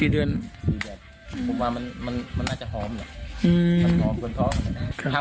๔เดือนผมว่ามันน่าจะหอมอ่ะหอมกว่าท้องนะฮะ